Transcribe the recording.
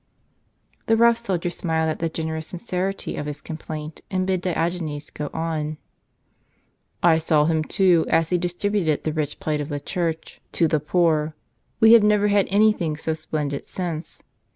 The rough soldier smiled at the generous sincerity of his complaint, and bid Diogenes go on. " I saw him too as he distributed the rich plate of the Church to the poor. We have never had any thing so splendid since.